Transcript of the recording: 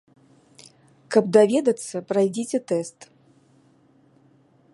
Каб даведацца, прайдзіце тэст.